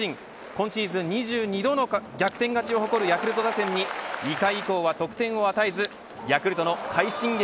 今シーズン２２度の逆転勝ちを誇るヤクルト打線に２回以降は得点を与えずヤクルトの快進撃